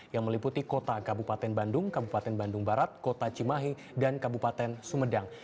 yang meliputi kota kabupaten bandung kabupaten bandung barat kota cimahi dan kabupaten sumedang